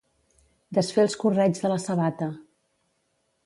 Desfer els correigs de la sabata.